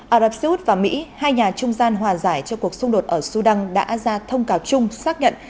ả rập xê út và mỹ hai nhà trung gian hòa giải cho cuộc xung đột ở sudan đã ra thông cáo chung xác nhận